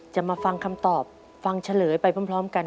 มาฟังคำตอบฟังเฉลยไปพร้อมกัน